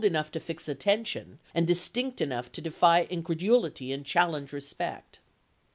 enough to fix attention and distinct enough to defy incredulity and challenge respect.